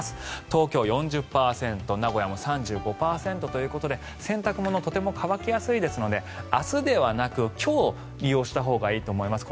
東京、４０％名古屋も３５％ということで洗濯物とても乾きやすいですので明日ではなく今日、この日差しを利用したほうがいいと思います。